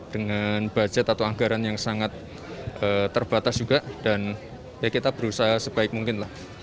dengan budget atau anggaran yang sangat terbatas juga dan ya kita berusaha sebaik mungkin lah